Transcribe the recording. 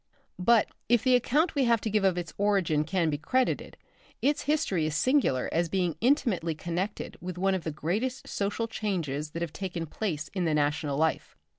But, if the account we have to give of its origin can be credited, its history is singular as being intimately connected with one of the greatest social changes that have taken place in the national life.